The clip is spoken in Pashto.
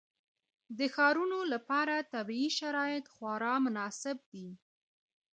د ښارونو لپاره طبیعي شرایط خورا مناسب دي.